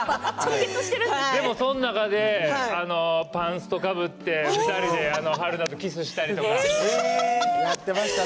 でも、その中でパンストかぶって２人で春菜とキスしたりとかやってましたね。